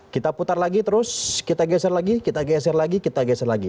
kita putar lagi terus kita geser lagi kita geser lagi kita geser lagi